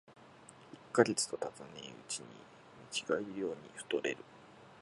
一と月とたたねえうちに見違えるように太れるぜ